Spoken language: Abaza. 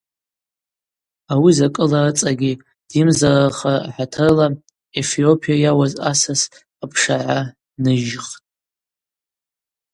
Ауи закӏыла рыцӏагьи дйымзарархара ахӏатырла Эфиопия йауаз асас апшгӏара ныйыжьхтӏ.